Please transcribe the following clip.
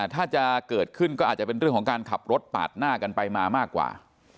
ถ้าจะเกิดขึ้นก็อาจจะเป็นเรื่องของการขับรถปาดหน้ากันไปมามากกว่า